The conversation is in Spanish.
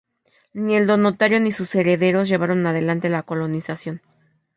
Ni el donatario ni sus herederos llevaron adelante la colonización.